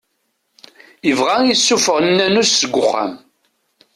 Ibɣa ad aɣ-issufeɣ nnamus seg uxxam.